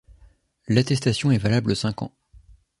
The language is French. L'attestation est valables cinq ans.